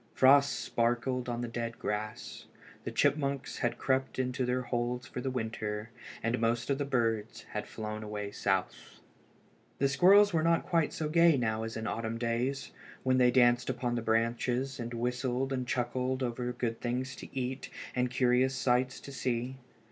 Frost sparkled on the dead grass. The chipmunks had crept into their holes for the winter, and most of the birds had flown away south. The squirrels were not quite so gay now as in the autumn days, when they danced upon the branches and whistled and chuckled over the good things to eat and the curious sights to see.